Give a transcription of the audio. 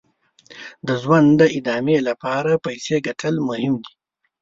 د ژوند د ادامې لپاره پیسې ګټل یې مهم دي.